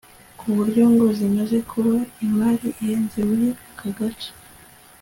ku buryo ngo zimaze kuba imari ihenze muri aka gace